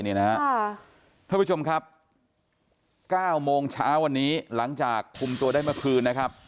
ท่านผู้ชมครับ๙โมงเช้าวันนี้หลังจากคุมตัวได้เมื่อคืนนะครับ